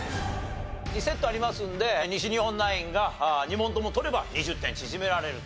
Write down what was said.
２セットありますんで西日本ナインが２問とも取れば２０点縮められると。